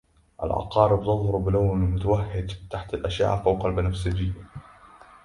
العقارب تظهر بلون متوهج تحت الأشعة فوق البنفسجية.